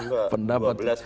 dua belas pendapat